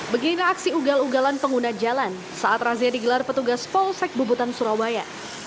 beginilah aksi ugal ugalan pengguna jalan saat razia digelar petugas polsek bubutan surabaya